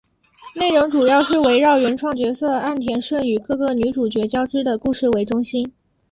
内容主要是围绕原创角色岸田瞬与各个女主角交织的故事为中心。